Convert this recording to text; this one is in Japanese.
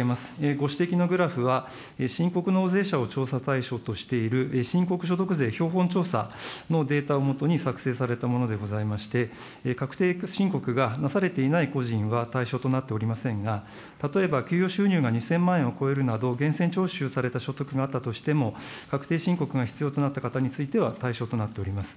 ご指摘のグラフは、申告納税者を調査対象としている、申告所得税標本調査のデータを基に作成されたものでございまして、確定申告がなされていない個人は、対象となっておりませんが、例えば給与収入が２０００万円を超えるなど、源泉徴収された所得があったとしても確定申告が必要となった方については対象となっております。